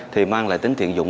thì mang lại tính tiện dụng